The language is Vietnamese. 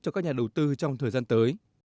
cho các nhà đầu tư trong thời gian tới